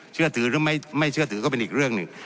เชื่อถือหรือไม่เชื่อถือก็เป็นอีกเรื่องหนึ่ง